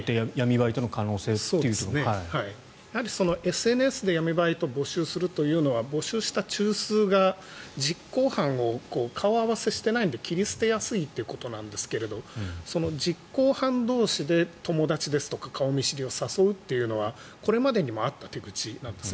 ＳＮＳで闇バイトを募集するというのは募集した中枢が実行犯を顔合わせしていないので切り捨てやすいということなんですが実行犯同士で友達ですとか顔見知りを誘うというのはこれまでにもあった手口です。